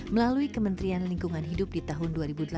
melalui kementerian lingkungan hidup di tahun dua ribu delapan belas